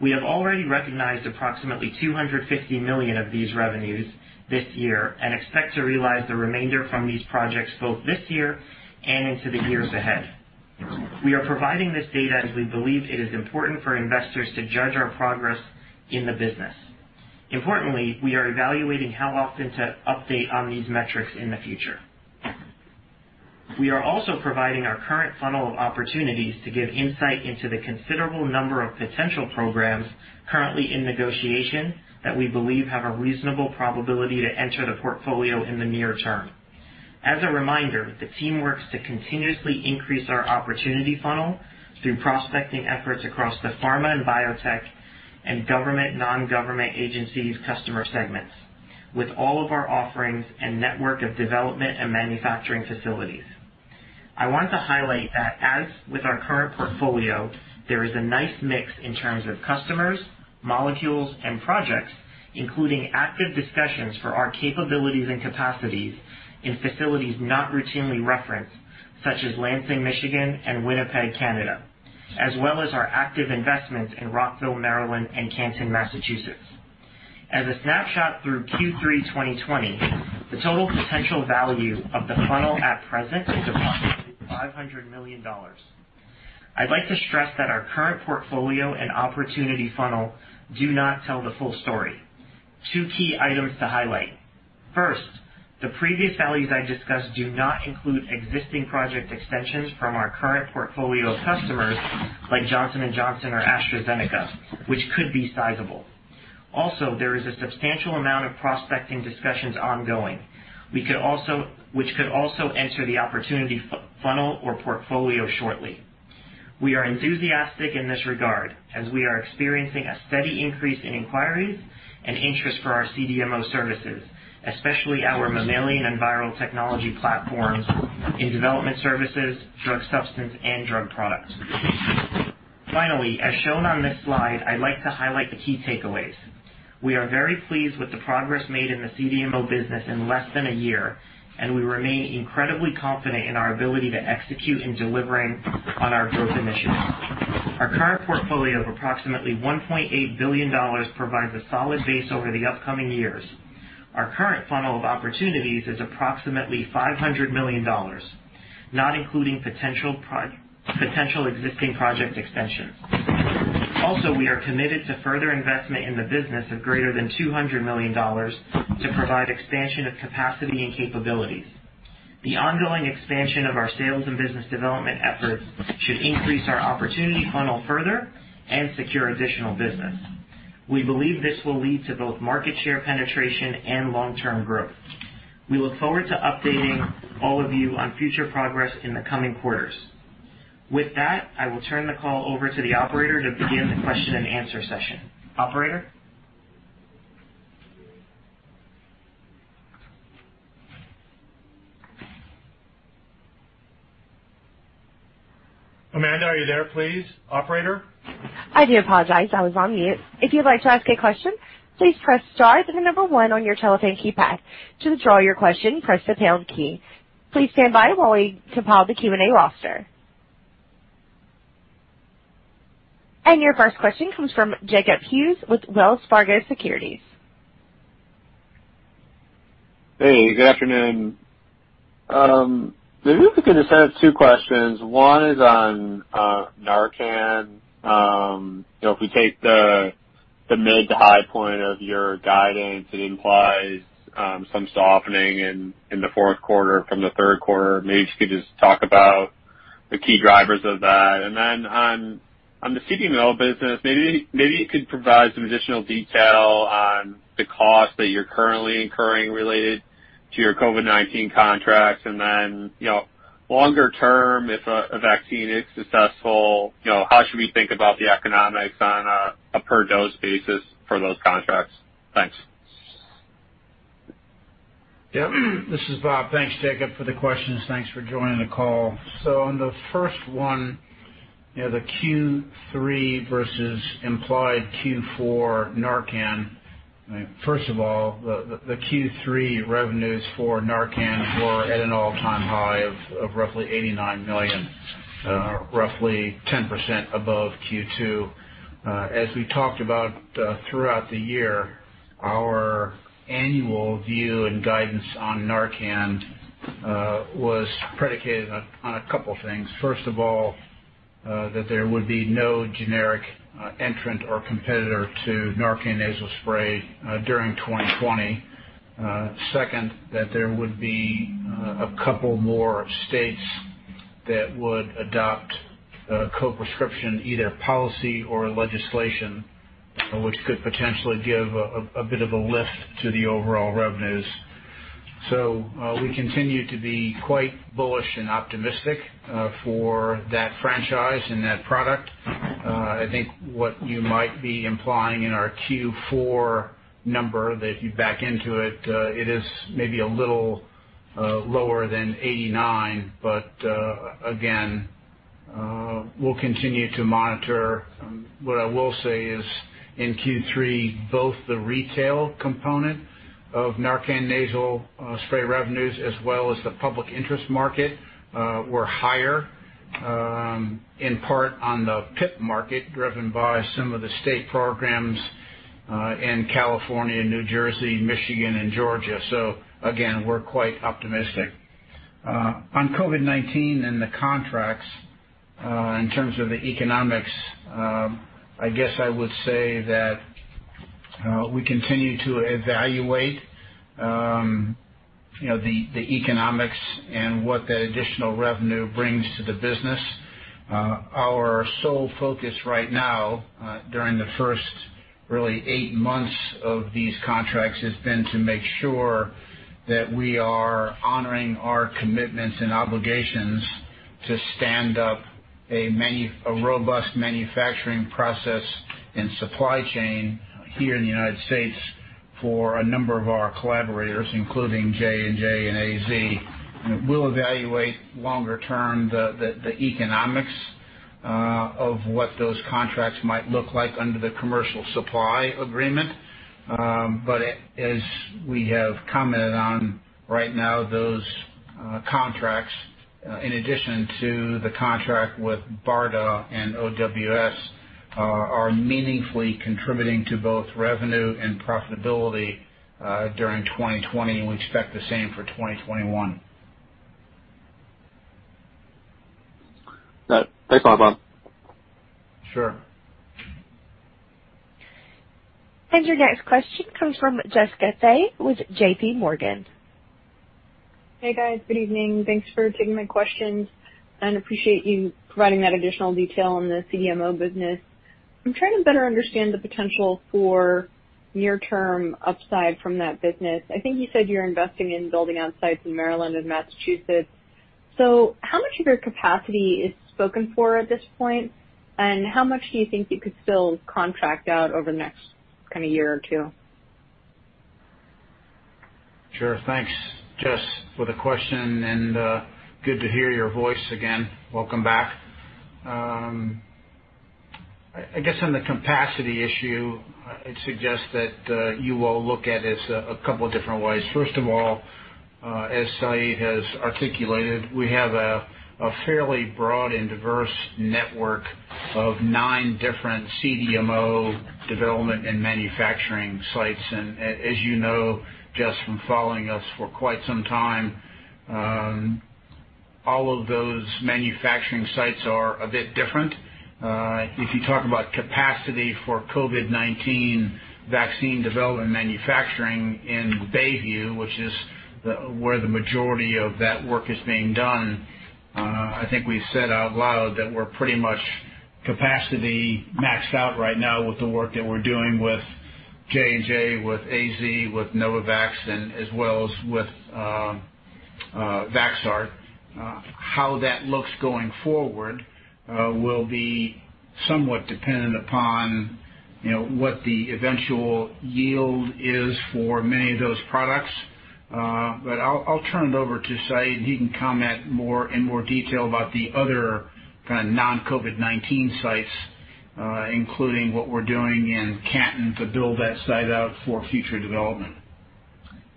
We have already recognized approximately $250 million of these revenues this year and expect to realize the remainder from these projects both this year and into the years ahead. We are providing this data as we believe it is important for investors to judge our progress in the business. Importantly, we are evaluating how often to update on these metrics in the future. We are also providing our current funnel of opportunities to give insight into the considerable number of potential programs currently in negotiation that we believe have a reasonable probability to enter the portfolio in the near term. As a reminder, the team works to continuously increase our opportunity funnel through prospecting efforts across the pharma and biotech and government/non-government agencies customer segments with all of our offerings and network of development and manufacturing facilities. I want to highlight that as with our current portfolio, there is a nice mix in terms of customers, molecules, and projects, including active discussions for our capabilities and capacities in facilities not routinely referenced, such as Lansing, Michigan, and Winnipeg, Canada, as well as our active investments in Rockville, Maryland, and Canton, Massachusetts. As a snapshot through Q3 2020, the total potential value of the funnel at present is approximately $500 million. I'd like to stress that our current portfolio and opportunity funnel do not tell the full story. Two key items to highlight. First, the previous values I discussed do not include existing project extensions from our current portfolio of customers like Johnson & Johnson or AstraZeneca, which could be sizable. There is a substantial amount of prospecting discussions ongoing, which could also enter the opportunity funnel or portfolio shortly. We are enthusiastic in this regard, as we are experiencing a steady increase in inquiries and interest for our CDMO services, especially our mammalian and viral technology platforms in development services, drug substance, and drug products. As shown on this slide, I'd like to highlight the key takeaways. We are very pleased with the progress made in the CDMO business in less than a year, and we remain incredibly confident in our ability to execute in delivering on our growth initiatives. Our current portfolio of approximately $1.8 billion provides a solid base over the upcoming years. Our current funnel of opportunities is approximately $500 million, not including potential existing project extensions. We are committed to further investment in the business of greater than $200 million to provide expansion of capacity and capabilities. The ongoing expansion of our sales and business development efforts should increase our opportunity funnel further and secure additional business. We believe this will lead to both market share penetration and long-term growth. We look forward to updating all of you on future progress in the coming quarters. With that, I will turn the call over to the Operator to begin the question and answer session. Operator? Amanda, are you there, please? Operator? I do apologize. I was on mute. If you'd like to ask a question, please press star, then the number one on your telephone keypad. To withdraw your question, press the pound key. Please stand by while we compile the Q&A roster. Your first question comes from Jacob Hughes with Wells Fargo Securities. Hey, good afternoon. Maybe if we could just have two questions. One is on NARCAN. If we take the mid to high point of your guidance, it implies some softening in the fourth quarter from the third quarter. Maybe if you could just talk about the key drivers of that. On the CDMO business, maybe you could provide some additional detail on the cost that you're currently incurring related to your COVID-19 contracts, and then longer term, if a vaccine is successful, how should we think about the economics on a per dose basis for those contracts? Thanks. This is Bob. Thanks, Jacob, for the questions. Thanks for joining the call. On the first one, the Q3 versus implied Q4 NARCAN. First of all, the Q3 revenues for NARCAN were at an all-time high of roughly $89 million, roughly 10% above Q2. As we talked about throughout the year, our annual view and guidance on NARCAN was predicated on a couple things. First of all, that there would be no generic entrant or competitor to NARCAN Nasal Spray during 2020. Second, that there would be a couple more states that would adopt co-prescription, either policy or legislation, which could potentially give a bit of a lift to the overall revenues. We continue to be quite bullish and optimistic for that franchise and that product. I think what you might be implying in our Q4 number, that if you back into it is maybe a little lower than 89. Again, we'll continue to monitor. What I will say is in Q3, both the retail component of NARCAN Nasal Spray revenues as well as the public interest market, were higher, in part on the PIP market, driven by some of the state programs in California, New Jersey, Michigan, and Georgia. Again, we're quite optimistic. On COVID-19 and the contracts, in terms of the economics, I guess I would say that we continue to evaluate the economics and what that additional revenue brings to the business. Our sole focus right now, during the first really eight months of these contracts, has been to make sure that we are honoring our commitments and obligations to stand up a robust manufacturing process and supply chain here in the U.S. for a number of our collaborators, including J&J and AZ. We'll evaluate longer term, the economics of what those contracts might look like under the commercial supply agreement. As we have commented on right now, those contracts, in addition to the contract with BARDA and OWS, are meaningfully contributing to both revenue and profitability during 2020, and we expect the same for 2021. Thanks a lot, Bob. Sure. Your next question comes from Jessica Fye with JPMorgan. Hey, guys. Good evening. Thanks for taking my questions, and appreciate you providing that additional detail on the CDMO business. I am trying to better understand the potential for near-term upside from that business. I think you said you're investing in building out sites in Maryland and Massachusetts. How much of your capacity is spoken for at this point, and how much do you think you could still contract out over the next year or two? Thanks, Jess, for the question, and good to hear your voice again. Welcome back. I guess on the capacity issue, I'd suggest that you all look at this a couple different ways. First of all, as Syed has articulated, we have a fairly broad and diverse network of nine different CDMO development and manufacturing sites. As you know, Jess, from following us for quite some time, all of those manufacturing sites are a bit different. If you talk about capacity for COVID-19 vaccine development manufacturing in Bayview, which is where the majority of that work is being done, I think we've said out loud that we're pretty much capacity maxed out right now with the work that we're doing with J&J, with AZ, with Novavax, and as well as with Vaxart. How that looks going forward will be somewhat dependent upon what the eventual yield is for many of those products. I'll turn it over to Syed, and he can comment in more detail about the other non-COVID-19 sites, including what we're doing in Canton to build that site out for future development.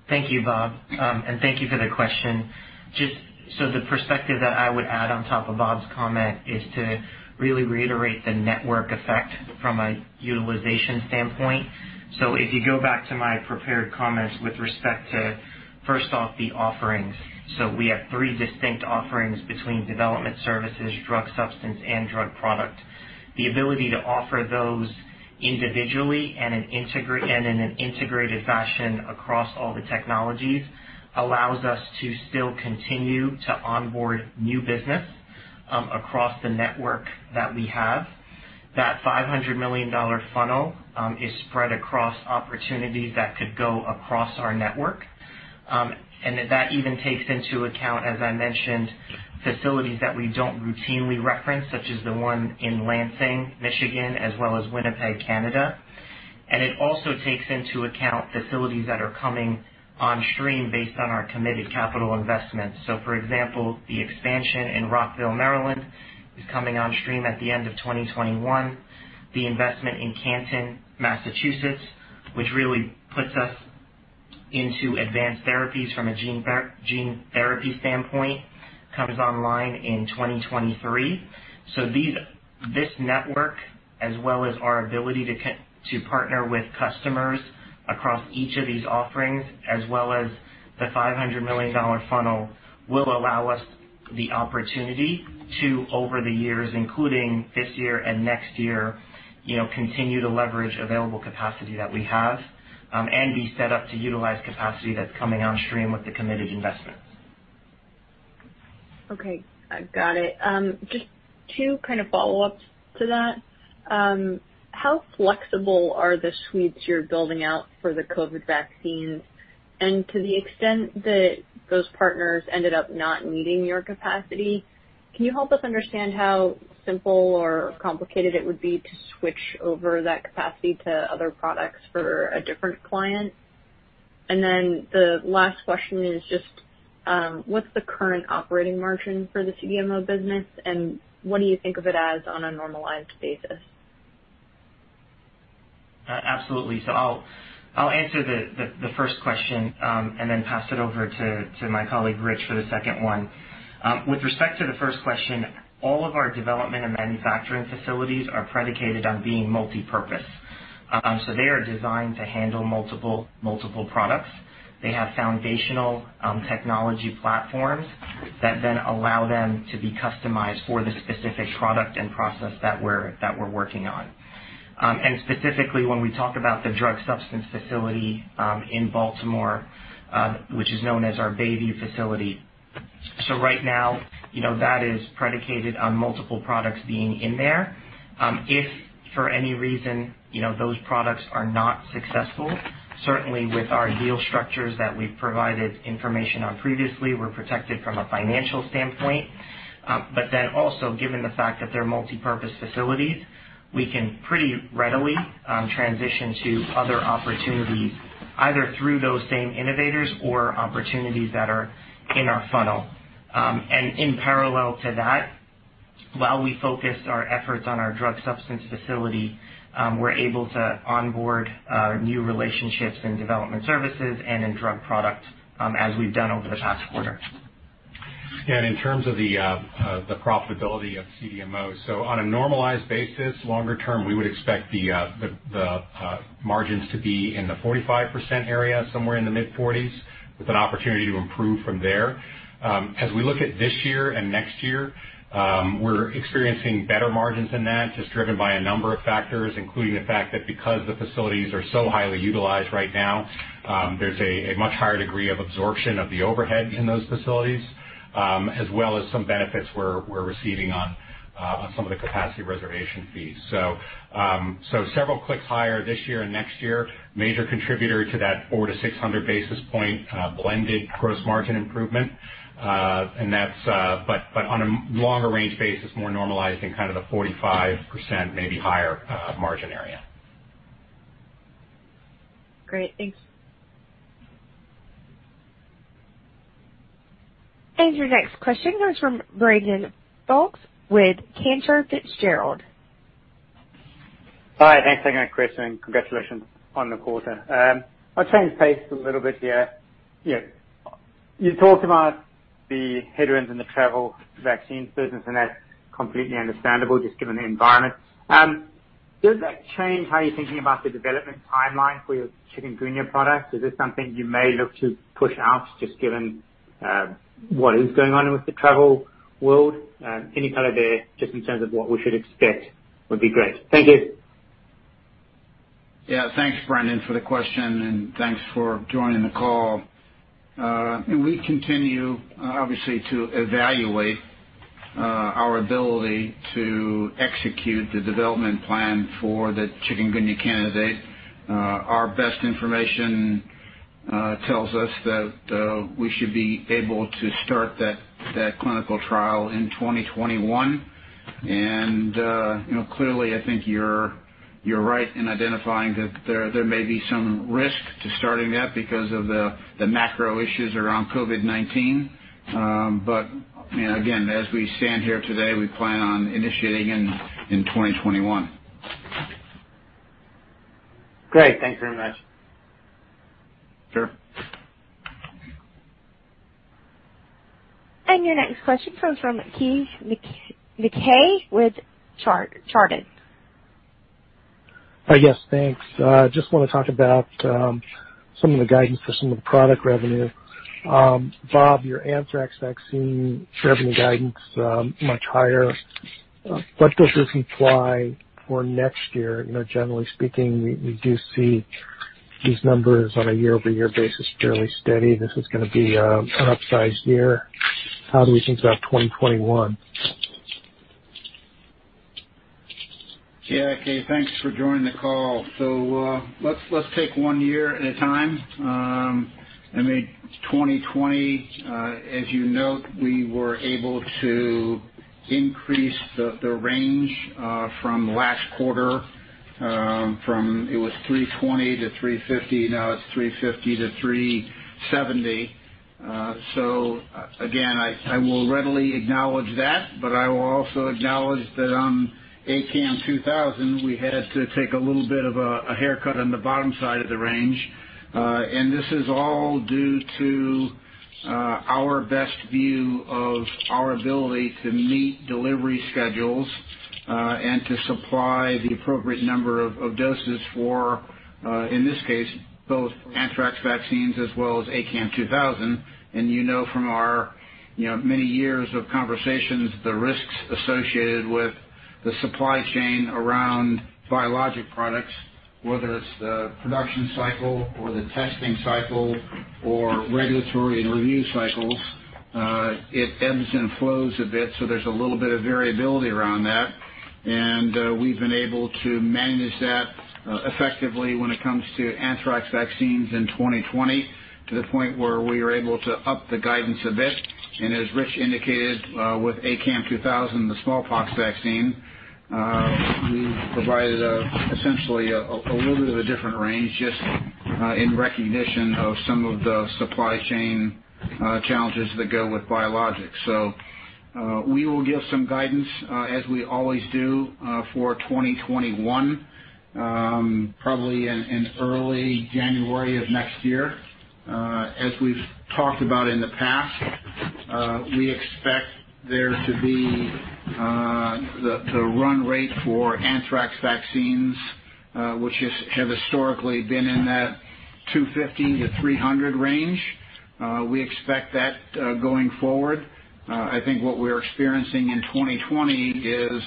Thank you, Bob, and thank you for the question. Just the perspective that I would add on top of Bob's comment is to really reiterate the network effect from a utilization standpoint. If you go back to my prepared comments with respect to, first off, the offerings. We have three distinct offerings between development services, drug substance, and drug product. The ability to offer those individually and in an integrated fashion across all the technologies allows us to still continue to onboard new business across the network that we have. That $500 million funnel is spread across opportunities that could go across our network. That even takes into account, as I mentioned, facilities that we don't routinely reference, such as the one in Lansing, Michigan, as well as Winnipeg, Canada. It also takes into account facilities that are coming on stream based on our committed capital investments. For example, the expansion in Rockville, Maryland, is coming on stream at the end of 2021. The investment in Canton, Massachusetts, which really puts us into advanced therapies from a gene therapy standpoint, comes online in 2023. This network, as well as our ability to partner with customers across each of these offerings, as well as the $500 million funnel, will allow us the opportunity to, over the years, including this year and next year, continue to leverage available capacity that we have and be set up to utilize capacity that's coming on stream with the committed investments. Okay, got it. Just two follow-ups to that. How flexible are the suites you're building out for the COVID-19 vaccines? To the extent that those partners ended up not needing your capacity, can you help us understand how simple or complicated it would be to switch over that capacity to other products for a different client? Then the last question is just, what's the current operating margin for the CDMO business, and what do you think of it as on a normalized basis? Absolutely. I'll answer the first question, and then pass it over to my colleague, Rich, for the second one. With respect to the first question, all of our development and manufacturing facilities are predicated on being multipurpose. They are designed to handle multiple products. They have foundational technology platforms that then allow them to be customized for the specific product and process that we're working on. Specifically, when we talk about the drug substance facility in Baltimore, which is known as our Bayview facility. Right now, that is predicated on multiple products being in there. If for any reason those products are not successful, certainly with our deal structures that we've provided information on previously, we're protected from a financial standpoint. Also given the fact that they're multipurpose facilities, we can pretty readily transition to other opportunities, either through those same innovators or opportunities that are in our funnel. In parallel to that, while we focused our efforts on our drug substance facility, we're able to onboard new relationships in development services and in drug products, as we've done over the past quarter. In terms of the profitability of CDMO, on a normalized basis, longer term, we would expect the margins to be in the 45% area, somewhere in the mid-40s, with an opportunity to improve from there. As we look at this year and next year, we're experiencing better margins than that, just driven by a number of factors, including the fact that because the facilities are so highly utilized right now, there's a much higher degree of absorption of the overhead in those facilities, as well as some benefits we're receiving on some of the capacity reservation fees. Several clicks higher this year and next year, major contributor to that 400-600 basis point blended gross margin improvement. On a longer range basis, more normalized in kind of the 45%, maybe higher, margin area. Great. Thanks. Your next question comes from Brandon Folkes with Cantor Fitzgerald. Hi. Thanks for taking the question, and congratulations on the quarter. I'll change pace a little bit here. You talked about the headwinds in the travel vaccines business, and that's completely understandable, just given the environment. Does that change how you're thinking about the development timeline for your chikungunya product? Is this something you may look to push out, just given what is going on with the travel world? Any color there, just in terms of what we should expect, would be great. Thank you. Yeah. Thanks, Brandon, for the question, and thanks for joining the call. We continue, obviously, to evaluate our ability to execute the development plan for the chikungunya candidate. Our best information tells us that we should be able to start that clinical trial in 2021. Clearly I think you're right in identifying that there may be some risk to starting that because of the macro issues around COVID-19. Again, as we stand here today, we plan on initiating in 2021. Great. Thank you very much. Sure. Your next question comes from Keay Nakae with Chardan. Yes, thanks. Just want to talk about some of the guidance for some of the product revenue. Bob, your anthrax vaccine revenue guidance, much higher. What does this imply for next year? Generally speaking, we do see these numbers on a year-over-year basis fairly steady. This is going to be an upsized year. How do we think about 2021? Yeah, Keay, thanks for joining the call. Let's take one year at a time. I mean, 2020, as you note, we were able to increase the range from last quarter from it was $320 million-$350 million, now it's $350 million-$370 million. Again, I will readily acknowledge that. I will also acknowledge that on ACAM2000, we had to take a little bit of a haircut on the bottom side of the range. This is all due to our best view of our ability to meet delivery schedules, and to supply the appropriate number of doses for, in this case, both anthrax vaccines as well as ACAM2000. You know from our many years of conversations, the risks associated with the supply chain around biologic products, whether it's the production cycle or the testing cycle or regulatory and review cycles, it ebbs and flows a bit, so there's a little bit of variability around that. We've been able to manage that effectively when it comes to anthrax vaccines in 2020 to the point where we were able to up the guidance a bit. As Rich indicated, with ACAM2000, the smallpox vaccine, we provided essentially a little bit of a different range just in recognition of some of the supply chain challenges that go with biologics. We will give some guidance, as we always do, for 2021, probably in early January of next year. As we've talked about in the past, we expect there to be the run rate for anthrax vaccines, which have historically been in that 250-300 range. We expect that going forward. I think what we're experiencing in 2020 is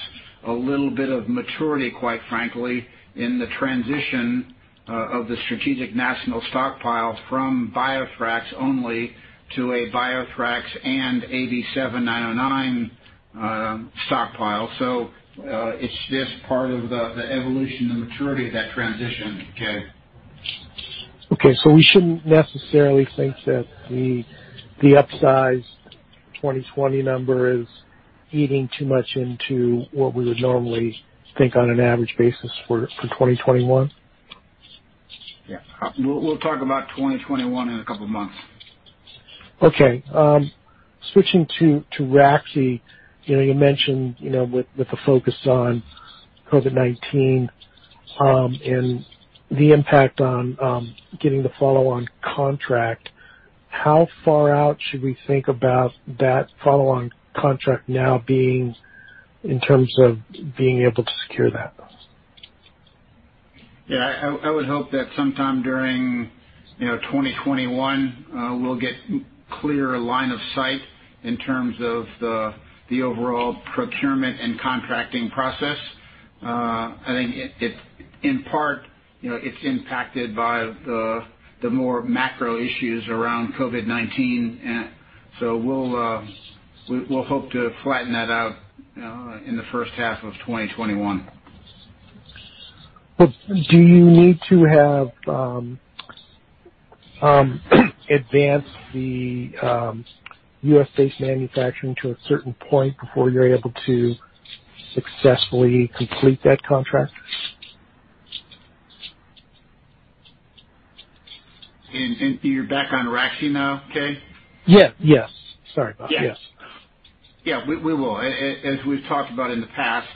a little bit of maturity, quite frankly, in the transition of the Strategic National Stockpile from BioThrax only to a BioThrax and AV7909 stockpile. It's just part of the evolution and maturity of that transition, Keay. Okay. We shouldn't necessarily think that the upsized 2020 number is eating too much into what we would normally think on an average basis for 2021? Yeah. We'll talk about 2021 in a couple of months. Okay. Switching to raxi. You mentioned with the focus on COVID-19, and the impact on getting the follow-on contract, how far out should we think about that follow-on contract now being in terms of being able to secure that? Yeah, I would hope that sometime during 2021, we'll get clearer line of sight in terms of the overall procurement and contracting process. I think in part, it's impacted by the more macro issues around COVID-19. We'll hope to flatten that out in the first half of 2021. Do you need to have advanced the U.S.-based manufacturing to a certain point before you're able to successfully complete that contract? You're back on raxi now, Keay? Yes. Sorry about that. Yes. Yes. We will. As we've talked about in the past,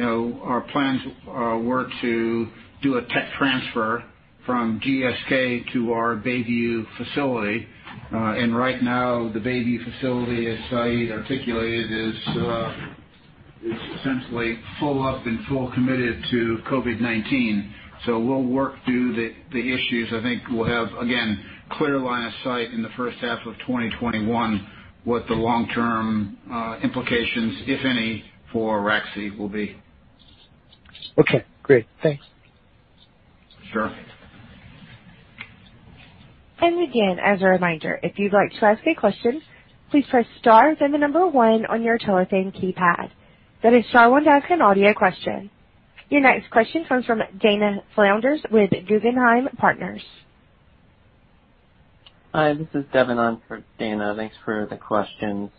our plans were to do a tech transfer from GSK to our Bayview facility. Right now, the Bayview facility, as Syed articulated, is essentially full up and full committed to COVID-19. We'll work through the issues. I think we'll have, again, clear line of sight in the first half of 2021 what the long-term implications, if any, for raxi will be. Okay, great. Thanks. Sure. Again, as a reminder, if you'd like to ask a question, please press star, then the number one on your telephone keypad. That is star one to ask an audio question. Your next question comes from Dana Flanders with Guggenheim Securities. Hi, this is Devin on for Dana. Thanks for the questions.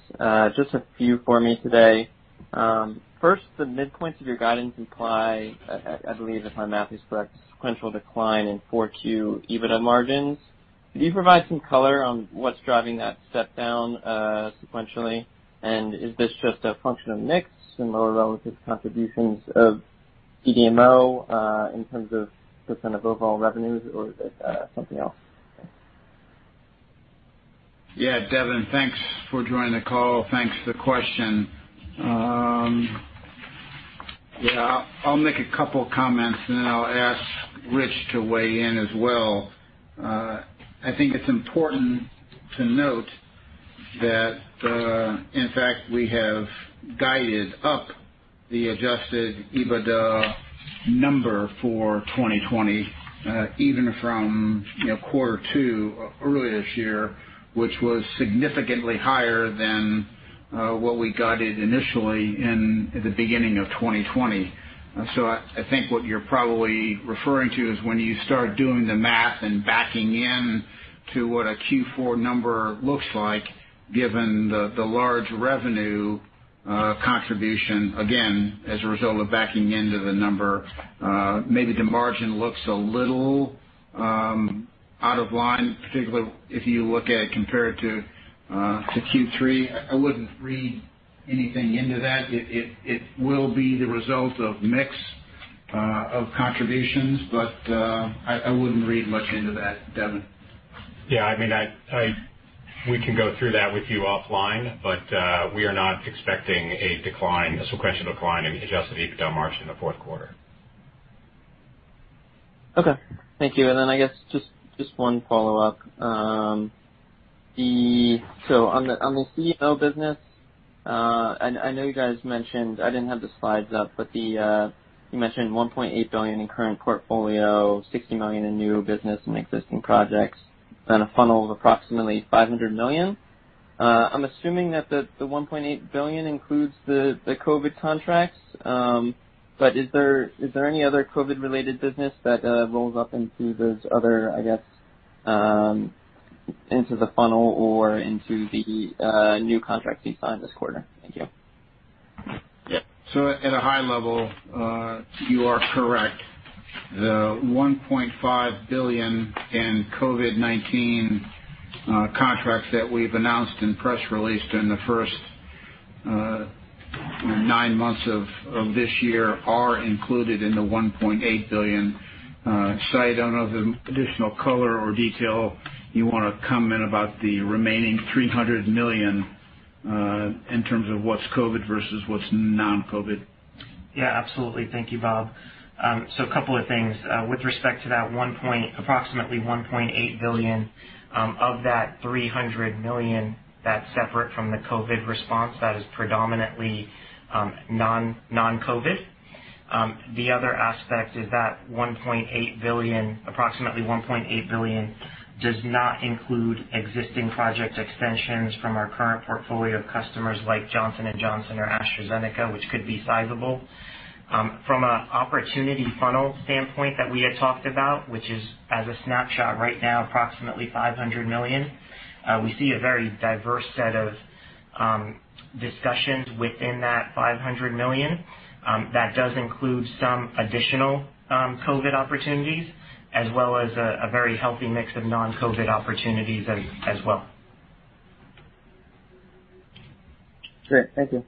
Just a few for me today. First, the midpoints of your guidance imply, I believe if my math is correct, sequential decline in 4Q EBITDA margins. Could you provide some color on what's driving that step down sequentially? Is this just a function of mix and lower relative contributions of CDMO, in terms of [%] of overall revenues, or is it something else? Yeah, Devin, thanks for joining the call. Thanks for the question. Yeah, I'll make a couple comments and then I'll ask Rich to weigh in as well. I think it's important to note that, in fact, we have guided up the adjusted EBITDA number for 2020, even from quarter two earlier this year, which was significantly higher than what we guided initially in the beginning of 2020. I think what you're probably referring to is when you start doing the math and backing in to what a Q4 number looks like, given the large revenue contribution, again, as a result of backing into the number, maybe the margin looks a little out of line, particularly if you look at compared to Q3. I wouldn't read anything into that. It will be the result of mix of contributions, but I wouldn't read much into that, Devin. We can go through that with you offline, but we are not expecting a sequential decline in adjusted EBITDA margin in the fourth quarter. Okay. Thank you. I guess just one follow-up. On the CDMO business, and I know you guys mentioned, I didn't have the slides up, but you mentioned $1.8 billion in current portfolio, $60 million in new business and existing projects, and a funnel of approximately $500 million. I'm assuming that the $1.8 billion includes the COVID contracts. Is there any other COVID-related business that rolls up into those other, into the funnel or into the new contracts you signed this quarter? Thank you. Yeah. At a high level, you are correct. The $1.5 billion in COVID-19 contracts that we've announced and press released in the first nine months of this year are included in the $1.8 billion. Syed, I don't know if additional color or detail you want to comment about the remaining $300 million, in terms of what's COVID versus what's non-COVID. Yeah, absolutely. Thank you, Bob. A couple of things. With respect to that approximately $1.8 billion, of that $300 million, that's separate from the COVID response. That is predominantly non-COVID. The other aspect is that approximately $1.8 billion does not include existing project extensions from our current portfolio of customers like Johnson & Johnson or AstraZeneca, which could be sizable. From an opportunity funnel standpoint that we had talked about, which is as a snapshot right now, approximately $500 million, we see a very diverse set of discussions within that $500 million. That does include some additional COVID opportunities as well as a very healthy mix of non-COVID opportunities as well. Great. Thank you.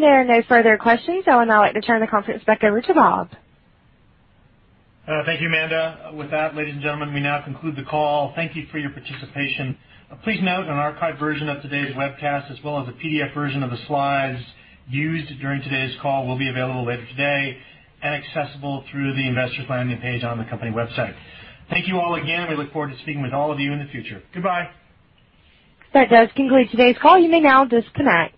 There are no further questions. I would now like to turn the conference back over to Bob. Thank you, Amanda. With that, ladies and gentlemen, we now conclude the call. Thank you for your participation. Please note an archived version of today's webcast, as well as a PDF version of the slides used during today's call will be available later today and accessible through the Investors landing page on the company website. Thank you all again. We look forward to speaking with all of you in the future. Goodbye. That does conclude today's call. You may now disconnect.